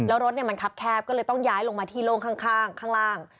แล้วรถมันคับแคบก็เลยต้องย้ายลงมาที่โล่งข้างข้างล่าง